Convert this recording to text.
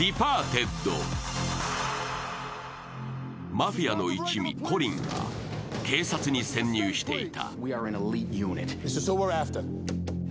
マフィアの一味・コリンは警察に潜入していた。